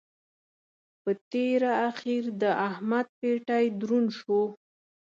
په تېره اخېر د احمد پېټی دروند شو.